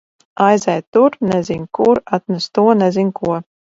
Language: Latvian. Aizej tur - nezin kur, atnes to - nezin ko.